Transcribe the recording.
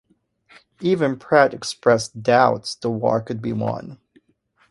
Even Pratt expressed doubts the war could be won.